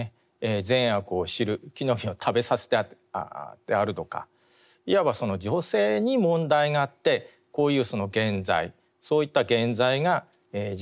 善悪を知る木の実を食べさせたであるとかいわばその女性に問題があってこういう原罪そういった原罪が人類にですね